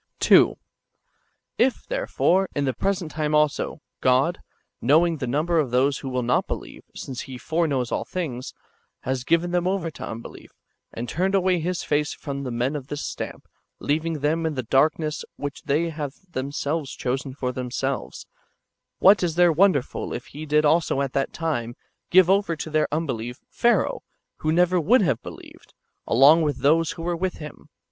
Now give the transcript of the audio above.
^ 2. If, therefore, in the present time also, God, knowing the number of those who will not believe, since He foreknows all things, has given them over to unbelief, and turned away His face from men of this stamp, leaving them in the darkness which they have themselves chosen for themselves, what is there wonderful if He did also at that time give over to their unbelief, Pharaoh, who never would have believed, along with those who were with him